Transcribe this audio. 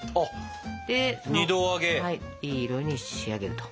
いい色に仕上げると。